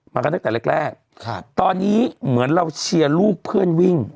มากันตั้งแต่แรกแรกตอนนี้เหมือนเราเชียร์ลูกเพื่อนวิ่ง